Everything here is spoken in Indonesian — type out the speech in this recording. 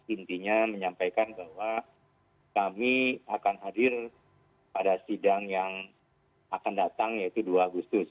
intinya menyampaikan bahwa kami akan hadir pada sidang yang akan datang yaitu dua agustus